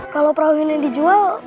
kalau perahu ini dijual